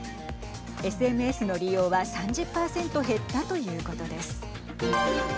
ＳＭＳの利用は３０％減ったということです。